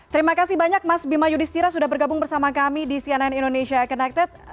terima kasih banyak mas bima yudhistira sudah bergabung bersama kami di cnn indonesia connected